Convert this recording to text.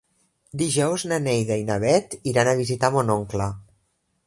Dijous na Neida i na Bet iran a visitar mon oncle.